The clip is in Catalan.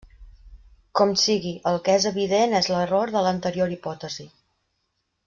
Com sigui, el que és evident és l'error de l'anterior hipòtesi.